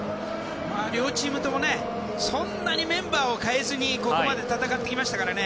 両チームともそんなにメンバーを変えずにここまで戦ってきましたからね。